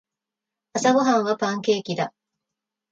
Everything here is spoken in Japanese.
朝ごはんはパンケーキだ。